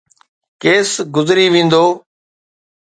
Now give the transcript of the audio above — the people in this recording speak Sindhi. ڪيس گذري ويندو.